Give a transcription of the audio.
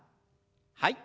はい。